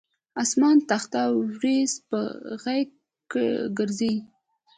اسمان تخته اوریځ په غیږ ګرځي